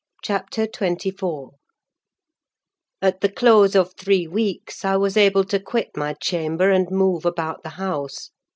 CHAPTER XXIV At the close of three weeks I was able to quit my chamber and move about the house.